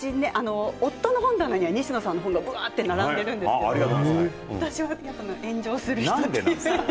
本棚に西野さんの本が並んでるんですけど私は炎上する人という。